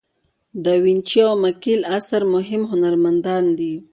داوینچي او میکل آنژ مهم هنرمندان دي.